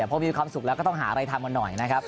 พอมีความสุขแล้วก็ต้องหาอะไรทำกันหน่อยนะครับ